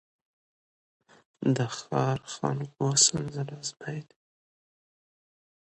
د ښار خلکو وو سل ځله آزمېیلی